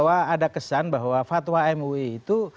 bahwa ada kesan bahwa fatwa mui itu